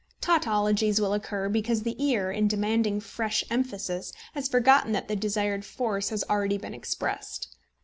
Tautologies will occur, because the ear, in demanding fresh emphasis, has forgotten that the desired force has been already expressed.